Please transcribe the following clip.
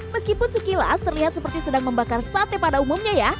meskipun sekilas terlihat seperti sedang membakar sate pada umumnya ya